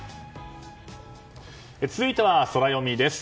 続いてはソラよみです。